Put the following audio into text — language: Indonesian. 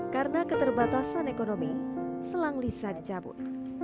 karena keterbatasan ekonomi selang lisa dicabut